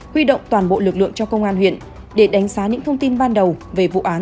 huy động toàn bộ lực lượng cho công an huyện để đánh giá những thông tin ban đầu về vụ án